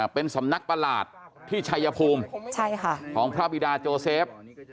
เป็นสำนักประหลาดที่ชัยภูมิของพระบิดาโจเซฟ